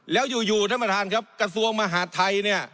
แล้วอยู่ท่านประธานครับกระทรวงมหาดไทยเนี่ย